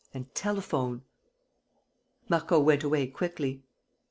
. and telephone." Marco went away quickly.